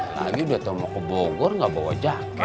lagi udah tau mau ke bogor nggak bawa jaket